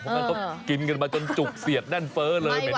เพราะมันก็กินกันมาจนจุกเสียดด้านเฟ้อเลยเหม็นเปรี้ยวแล้วละ